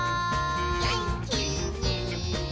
「げんきに」